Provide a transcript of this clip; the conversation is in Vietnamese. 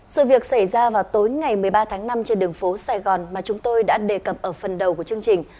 sự việc xảy ra vào tối ngày một mươi ba tháng năm trên đường phố sài gòn mà chúng tôi đã đề cập ở phần đầu của chương trình